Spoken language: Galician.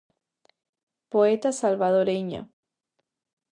Poeta salvadoreña.